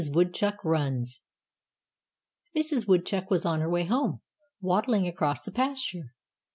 WOODCHUCK RUNS Mrs. Woodchuck was on her way home, waddling across the pasture.